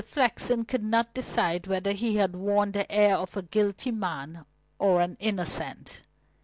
Flexen could not decide whether he had worn the air of a guilty man or an innocent.